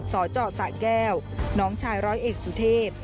สจสะแก้วน้องชายร้อยเอกสุเทพ